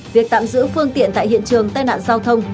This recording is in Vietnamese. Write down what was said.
việc tạm giữ phương tiện tại hiện trường tai nạn giao thông